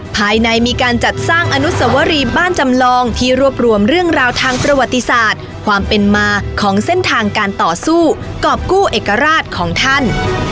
ภายในมีการจัดสร้างอนุสวรีบ้านจำลองที่รวบรวมเรื่องราวทางประวัติศาสตร์ความเป็นมาของเส้นทางการต่อสู้กรอบกู้เอกราชของท่าน